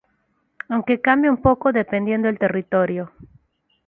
Aunque cambia un poco dependiendo el territorio.